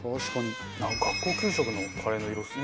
なんか学校給食のカレーの色ですね。